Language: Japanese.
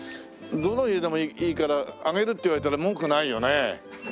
どの家でもいいからあげるって言われたら文句ないよね。